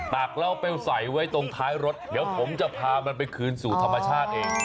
ตักแล้วไปใส่ไว้ตรงท้ายรถเดี๋ยวผมจะพามันไปคืนสู่ธรรมชาติเอง